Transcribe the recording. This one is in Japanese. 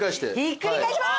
ひっくり返します！